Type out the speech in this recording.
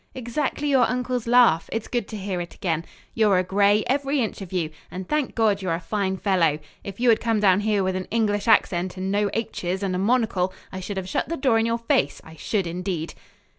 "Exactly your uncle's laugh. It's good to hear it again. You're a Gray, every inch of you; and, thank God, you're a fine fellow! If you had come down here with an English accent and no 'h's' and a monocle, I should have shut the door in your face. I should, indeed."